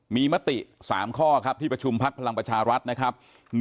มีมติ๓ข้อครับที่ประชุมพักพลังประชารัฐนะครับ